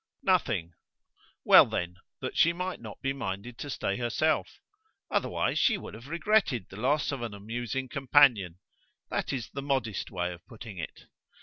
nothing: well, then, that she might not be minded to stay herself. Otherwise she would have regretted the loss of an amusing companion: that is the modest way of putting it.